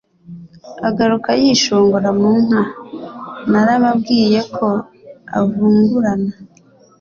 Agaruka yishongora mu nka Narababwiye ko avungurana